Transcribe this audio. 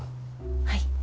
はい。